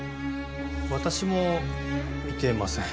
私も見てません。